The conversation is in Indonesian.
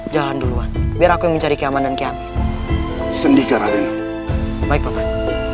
jika kau tidak mencari keamanan dan keamanan yang kamu inginkan